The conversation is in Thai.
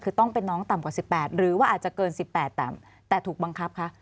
คือต้องเป็นน้องต่ำกว่า๑๘หรือว่าอาจจะเกิน๑๘แต่ถูกบังคับคะ